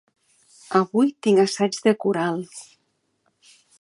Avui tinc assaig de coral.